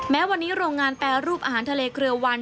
แม้วันนี้โรงงานแปรรูปอาหารทะเลเครือวัน